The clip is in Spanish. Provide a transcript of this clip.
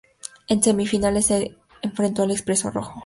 En semifinales se enfrentó al Expreso Rojo.